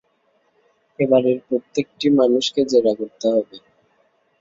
এ-বাড়ির প্রতিটি মানুষকে জেরা করতে হবে!